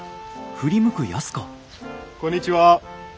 こんにちは。